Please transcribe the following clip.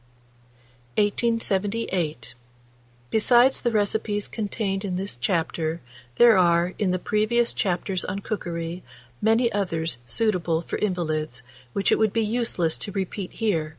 1878. Besides the recipes contained in this chapter, there are, in the previous chapters on cookery, many others suitable for invalids, which it would be useless to repeat here.